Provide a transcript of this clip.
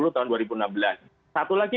tahun dua ribu enam belas satu lagi